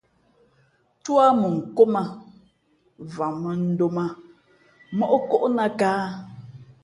Tú á mʉnkóm ā, vam mᾱndōm ā móʼ kóʼnāt kāhā ?